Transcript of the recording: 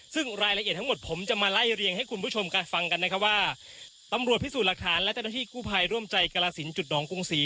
ซึ่งรายละเอียดทั้งหมดผมจะมาไล่เรียงให้คุณผู้ชมฟังกันนะครับว่าตำรวจพิสูจน์หลักฐานและเจ้าหน้าที่กู้ภัยร่วมใจกรสินจุดหนองกรุงศรี